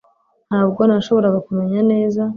Ntabwo nashoboraga kumenya neza